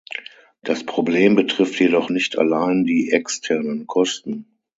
Das Problem betrifft jedoch nicht allein die externen Kosten.